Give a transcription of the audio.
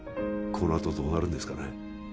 このあとどうなるんですかね